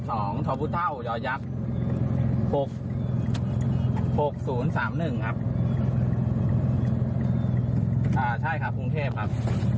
สองยอยักษ์หกศูนย์สามหนึ่งครับอ่าใช่ครับพรุ่งเทพครับ